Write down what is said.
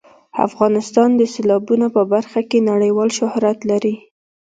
افغانستان د سیلابونه په برخه کې نړیوال شهرت لري.